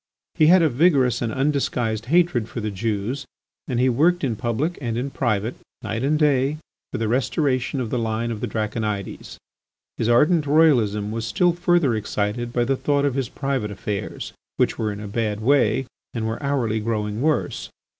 He had a vigorous and undisguised hatred for the Jews, and he worked in public and in private, night and day, for the restoration of the line of the Draconides. His ardent royalism was still further excited by the thought of his private affairs, which were in a bad way and were hourly growing worse.